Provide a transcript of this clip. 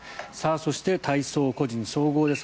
そして体操個人総合です。